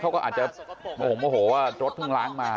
เขาก็อาจจะโมโหโมโหว่ารถเพิ่งล้างมา